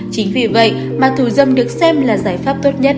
chính vì vậy mặt thù dâm được xem là giải pháp tốt nhất